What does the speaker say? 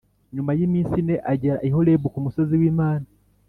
Nyuma y’iminsi ine agera i Horebu ku musozi w’Imana